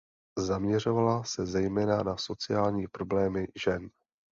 Zaměřovala se zejména na sociální problémy žen.